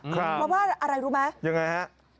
ครับเราว่าอะไรรู้ไหมยังไงฮะ